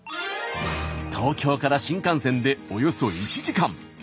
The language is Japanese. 東京から新幹線でおよそ１時間。